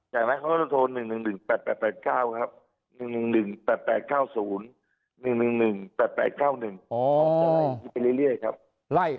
จากนั้นเขาจะโทร๑๑๑๘๘๘๙ครับ